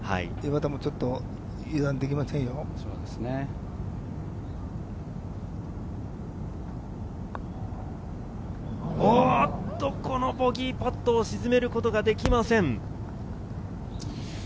岩田もちょっと油断できこのボギーパットを沈めることができません。